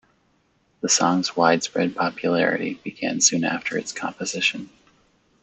The song's widespread popularity began soon after its composition.